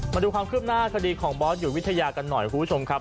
มาดูความคืบหน้าคดีของบอสอยู่วิทยากันหน่อยคุณผู้ชมครับ